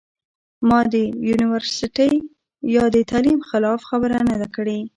ما د يونيورسټۍ يا د تعليم خلاف خبره نۀ ده کړې